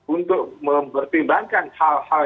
untuk mempertimbangkan hal hal